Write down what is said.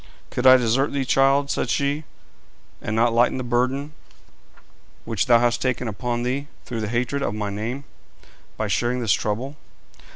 'Could I desert thee, child,' said she, 'and not lighten the burden which thou hast taken upon thee through the hatred of my name, by sharing this trouble?